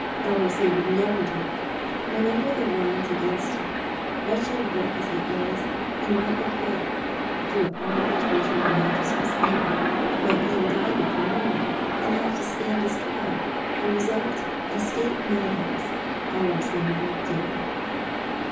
"Ellerslie would never do. Eemember the warrant against him. Wretched wreck as he is, he might be put through all the torture of a magistrate's inqiiiry — might be indicted for murder, and have to stand his trial — the result, a State mad house. Ellerslie would not do."